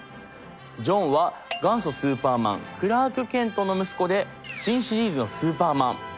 ジョンは元祖スーパーマンクラーク・ケントの息子で新シリーズのスーパーマン。